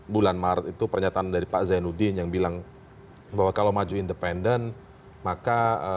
bulan maret itu pernyataan dari pak zainuddin yang bilang bahwa kalau maju independen maka